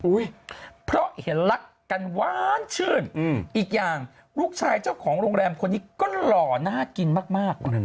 เพราะเห็นรักกันหวานชื่นอีกอย่างลูกชายเจ้าของโรงแรมคนนี้ก็หล่อน่ากินมาก